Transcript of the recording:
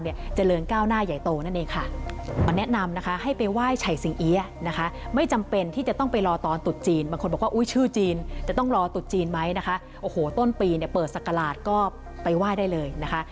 โอ้โหต้นปีเนี่ยเปิดสักกระหลาดก็ไปไหว้ได้เลยนะคะ